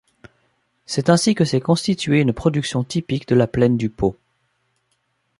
C'est ainsi que s'est constituée une production typique de la plaine du Pô.